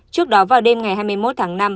trước đó vào đêm ngày hai mươi một tháng năm